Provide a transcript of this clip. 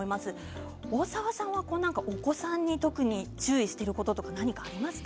大沢さん、お子さんに注意していることありますか。